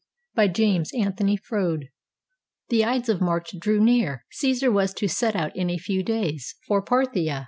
] BY JAMES ANTHONY FROUDE The Ides of March drew near. Csesar was to set out in a few days for Parthia.